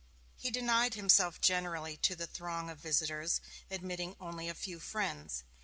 He denied himself generally to the throng of visitors, admitting only a few friends.